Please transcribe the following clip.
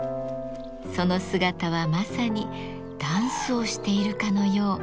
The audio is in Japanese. その姿はまさにダンスをしているかのよう。